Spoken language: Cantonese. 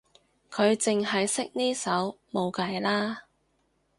佢淨係識呢首冇計啦